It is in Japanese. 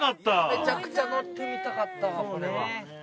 めちゃくちゃ乗ってみたかったわ。